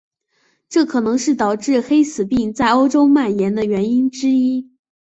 这可能是导致黑死病在欧洲蔓延的原因之一。